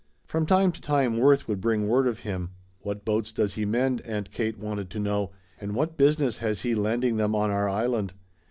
From time to time Worth would bring word of him. What boats does he mend, Aunt Kate wanted to know, and what business has he landing them on our Island?